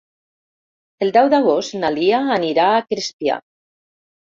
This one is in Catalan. El deu d'agost na Lia anirà a Crespià.